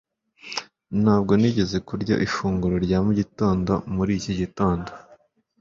Ntabwo nigeze kurya ifunguro rya mu gitondo muri iki gitondo